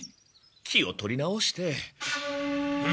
気を取り直して。